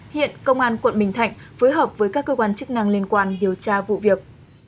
hiện công an quận bình thạnh phối hợp với các cơ quan chức năng liên quan điều tra vụ việc